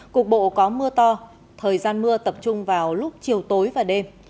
cục bộ có mưa to thời gian mưa tập trung vào lúc chiều tối và đêm